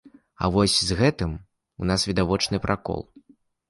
А вось з гэтым у нас відавочны пракол.